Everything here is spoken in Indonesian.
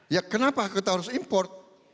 ya kenapa kita harus import